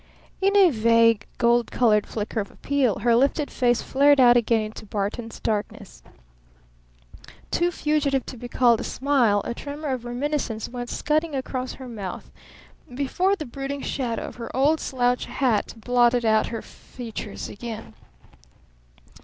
In a vague, gold colored flicker of appeal her lifted face flared out again into Barton's darkness. Too fugitive to be called a smile, a tremor of reminiscence went scudding across her mouth before the brooding shadow of her old slouch hat blotted out her features again.